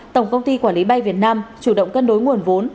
tổng công ty quản lý bay việt nam chủ động cân đối nguồn vốn